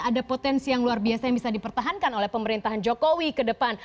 ada potensi yang luar biasa yang bisa dipertahankan oleh pemerintahan jokowi ke depan